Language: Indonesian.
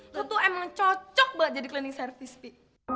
lo tuh emang cocok banget jadi cleaning service pi